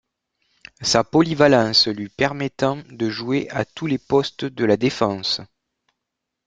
Sa polyvalence lui permettant de jouer à tous les postes de la défense.